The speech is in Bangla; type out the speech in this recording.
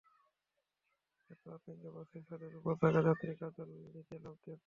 এতে আতঙ্কে বাসের ছাদের ওপর থাকা যাত্রী কাজল নিচে লাফ দেন।